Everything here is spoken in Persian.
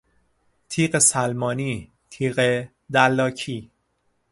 تیغ سلمانی، تیغ دلاکی